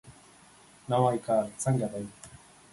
نوی کار څنګه دی؟